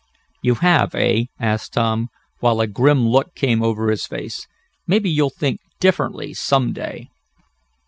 "You have, eh?" asked Tom, while a grim look came over his face. "Maybe you'll think differently some day."